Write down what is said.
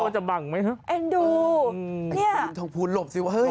จะบังไหมฮะเอ็นดูเนี่ยทองภูนิหลบสิวะเฮ้ย